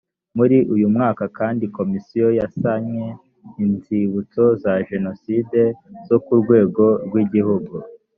muri uyu mwaka kandi komisiyo yasannye inzibutso za jenoside zo ku rwego rw igihugu